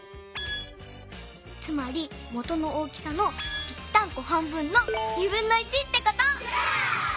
つまりもとの大きさのぴったんこ半分のってこと！